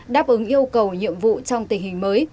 đáp ứng yêu cầu nhiệm vụ trong tình hình mới